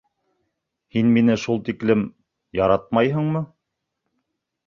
Һин мине шул тиклем... яратмайһыңмы?